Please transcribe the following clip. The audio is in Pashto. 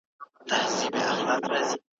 هغه فکري بهير چي ابهام لري، بايد په دقت وڅېړل سي.